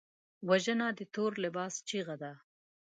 وژنه د تور لباس چیغه ده